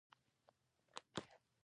ځار شم، رباب واخله او تارونه یې لږ وچیړه